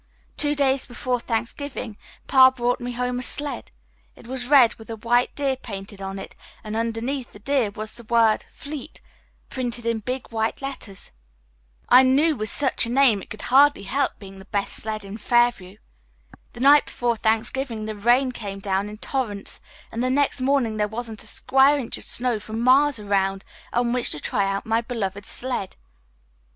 Two days before Thanksgiving Pa brought me home a sled. It was red with a white deer painted on it and underneath the deer was the word 'Fleet,' printed in big white letters. I knew that with such a name it could hardly help being the best sled in Fairview. The night before Thanksgiving the rain came down in torrents and the next morning there wasn't a square inch of snow for miles around on which to try out my beloved sled.